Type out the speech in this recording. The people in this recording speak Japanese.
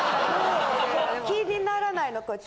気にならないのこっち。